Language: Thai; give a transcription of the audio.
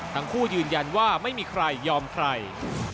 ทั้งคู่ยืนยันว่าไม่มีใครยอมใคร